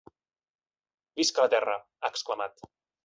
Visca la terra, ha exclamat.